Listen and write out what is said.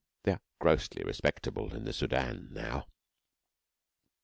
They are grossly respectable in the Soudan now.